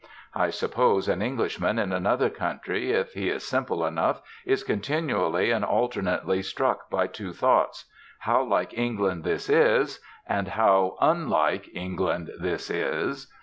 I suppose an Englishman in another country, if he is simple enough, is continually and alternately struck by two thoughts: 'How like England this is!' and 'How unlike England this is!'